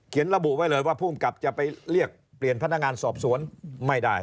ระบุไว้เลยว่าภูมิกับจะไปเรียกเปลี่ยนพนักงานสอบสวนไม่ได้